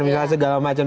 banyak segala macam